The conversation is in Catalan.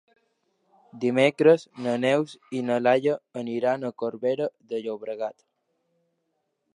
Dimecres na Neus i na Laia iran a Corbera de Llobregat.